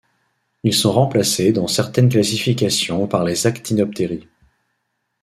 Ils sont remplacés dans certaines classifications par les Actinopteri.